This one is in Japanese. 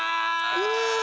うわ！